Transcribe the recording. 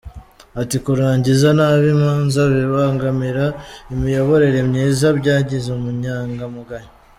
Ati “Kurangiza nabi imanza bibangamira imiyoborere myiza, byangiza umunyangamugayo.